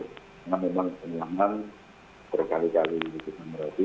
karena memang penyelamatan berkali kali di sekitar merapi